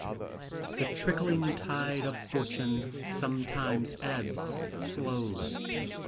The trickling tide of fortune sometimes ebbs slowly.